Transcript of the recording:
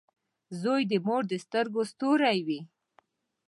• زوی د مور د سترګو ستوری وي.